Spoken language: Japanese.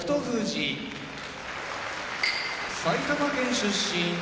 富士埼玉県出身